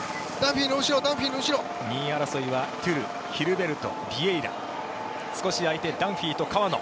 ２位争いはトゥルヒルベルト、ビエイラ少し空いてダンフィーと川野。